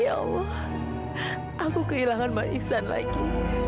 ya allah aku kehilangan mas iksan lagi